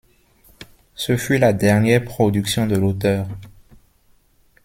Ce fut la dernière production de l’auteure.